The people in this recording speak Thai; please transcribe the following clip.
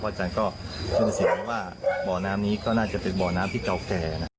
อาจารย์ก็สูญเสียว่าบ่อน้ำนี้ก็น่าจะเป็นบ่อน้ำที่เก่าแก่นะ